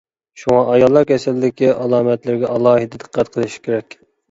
شۇڭا، ئاياللار كېسەللىكى ئالامەتلىرىگە ئالاھىدە دىققەت قىلىش كېرەك.